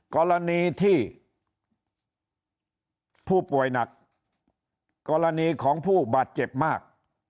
กรณีที่ผู้ป่วยหนักกรณีของผู้บาดเจ็บมาก